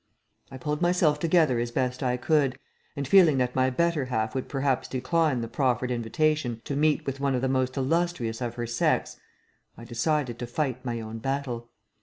I pulled myself together as best I could, and feeling that my better half would perhaps decline the proffered invitation to meet with one of the most illustrious of her sex, I decided to fight my own battle.